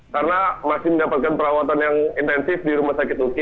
karena masih mendapatkan perawatan yang intensif di rumah sakit uki